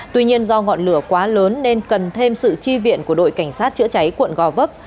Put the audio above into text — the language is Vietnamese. tuy nhiên do ngọn lửa quá lớn nên cần thêm sự chi viện của đội cảnh sát chữa cháy quận gò vấp